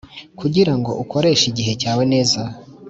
Kugira ngo ukoreshe igihe cyawe neza